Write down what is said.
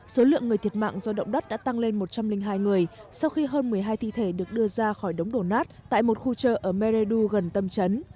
số lượng người thiệt mạng do động đất đã tăng lên một trăm linh hai người sau khi hơn một mươi hai thi thể được đưa ra khỏi đống đổ nát tại một khu chợ ở mereu gần tâm chấn